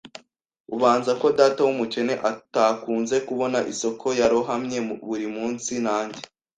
ubanza ko data wumukene atakunze kubona isoko. Yarohamye buri munsi, nanjye